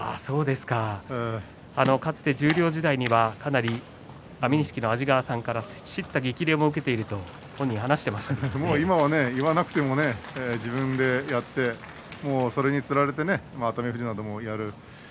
かつて十両時代にはかなり安美錦の安治川さんからしった激励も受けている今は言わなくても自分でやってそれにつられて熱海富士などもやる。